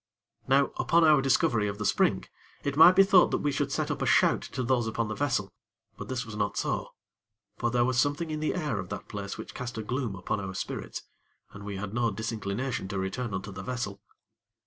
Now, upon our discovery of the spring, it might be thought that we should set up a shout to those upon the vessel; but this was not so; for there was something in the air of the place which cast a gloom upon our spirits, and we had no disinclination to return unto the vessel.